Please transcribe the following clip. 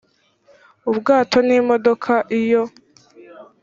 ubwato n imodoka iyo